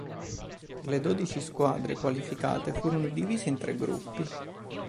Le dodici squadre qualificate furono divise in tre gruppi.